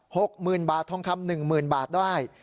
๖หมื่นบาททองคำ๑หมื่นบาทได้